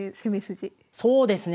そうですね